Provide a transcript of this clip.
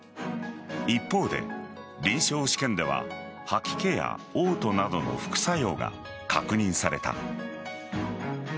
一方で、臨床試験では吐き気や嘔吐などの副作用が確認された。